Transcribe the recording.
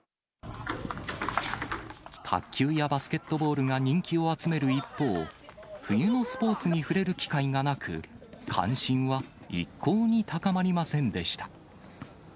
卓球やバスケットボールが人気を集める一方、冬のスポーツに触れる機会がなく、関心は一向に高まりませんでした。